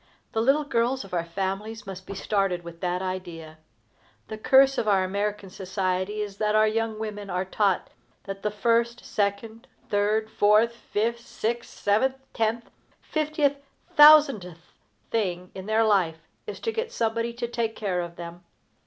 The little girls of our families must be started with that idea. The curse of our American society is that our young women are taught that the first, second, third, fourth, fifth, sixth, seventh, tenth, fiftieth, thousandth thing in their life is to get somebody to take care of them.